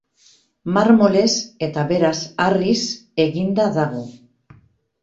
Marmolez, eta beraz harriz, eginda dago.